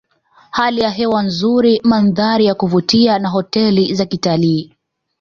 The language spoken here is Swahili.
Hali ya hewa nzuri mandhari ya kuvutia na hoteli za kitalii